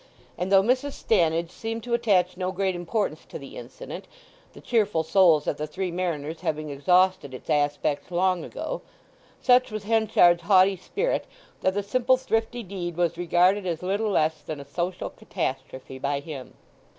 And though Mrs. Stannidge seemed to attach no great importance to the incident—the cheerful souls at the Three Mariners having exhausted its aspects long ago—such was Henchard's haughty spirit that the simple thrifty deed was regarded as little less than a social catastrophe by him.